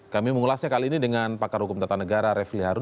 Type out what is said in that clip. kami mengulasnya kali ini dengan pakar hukum tata negara refli harun